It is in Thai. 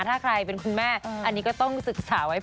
ถ้าใครเป็นคุณแม่อันนี้ก็ต้องศึกษาไว้